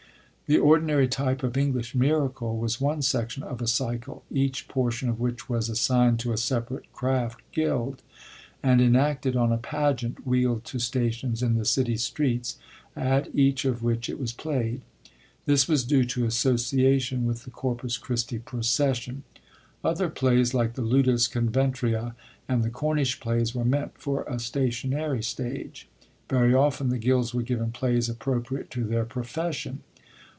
^ The ordinary type of English * Miracle ' was one section of a cycle, each portion of which was assignd to a separate craft gild, and enacted on a * pageant * wheeld to stations in the city streets, at each of which it was playd. This was due to asssociation with the Corpus Christ! procession. Other plays like the Ludvs CoverUrice and the Cornish Plays were meant for a stationary stage. Very often the gilds were given plays appropriate to their profession.